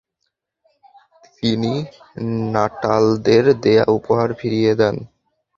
তিনি নাটালদের দেয়া উপহার ফিরিয়ে দেন।